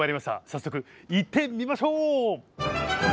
早速行ってみましょう！